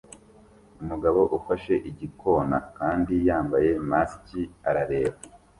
Umugabo ufashe igikona kandi yambaye masike arareba